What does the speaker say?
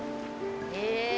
へえ。